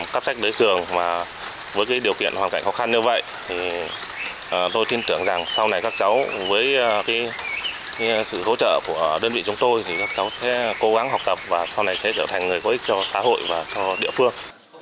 cắp sách đến trường mà với điều kiện hoàn cảnh khó khăn như vậy thì tôi tin tưởng rằng sau này các cháu với sự hỗ trợ của đơn vị chúng tôi thì các cháu sẽ cố gắng học tập và sau này sẽ trở thành người có ích cho xã hội và cho địa phương